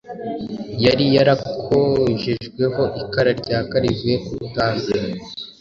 yari yarakojejweho ikara ryaka rivuye ku rutambiro,